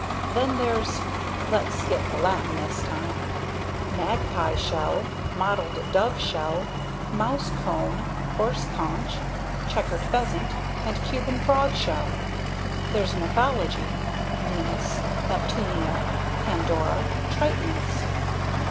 Then there's (let's skip the Latin this time) Magpie Shell, Mottled Dove Shell, Mouse Cone, Horse Conch, Checkered Pheasant, and Cuban Frog Shell. There's mythology: Venus, Neptunea, Pandora, Tritonis.